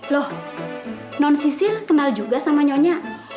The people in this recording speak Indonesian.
loh non sisil kenal juga sama nyonya